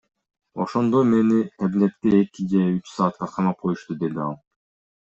Ошондо мени кабинетке эки же үч саатка камап коюшту, — деди ал.